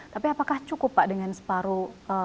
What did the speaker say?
tapi apakah cukup pak dengan separuh